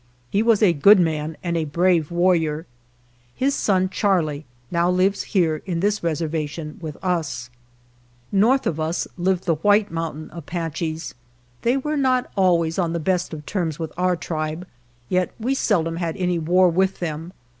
He was a good man and a brave warrior. His son Charlie now lives here in this reservation with us. 12 THE APACHE TRIBE North of us lived the White Mountain Apaches. They were not always on the best of terms with our tribe, yet we seldom had any war with them.